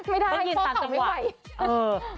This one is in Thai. ไม่ได้ข้อเข่าไม่ไหว